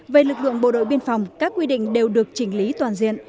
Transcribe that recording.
về lực lượng bộ đội biên phòng các quy định đều được chỉnh lý toàn diện